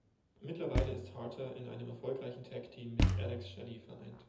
Mittlerweile ist Harter in einem erfolgreichen Tag Team mit Alex Shelley vereint.